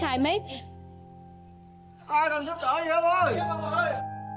ai cần giúp chở gì đó thôi